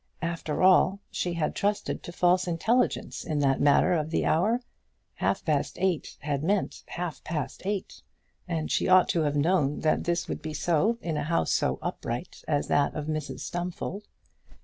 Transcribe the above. After all, she had trusted to false intelligence in that matter of the hour. Half past eight had meant half past eight, and she ought to have known that this would be so in a house so upright as that of Mrs Stumfold.